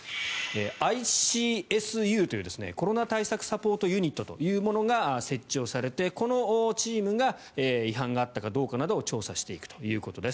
ＩＣＳＵというコロナ対策サポートユニットというものが設置されてこのチームが違反があったかどうかを調査していくということです。